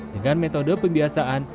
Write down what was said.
dengan metode pembiasaan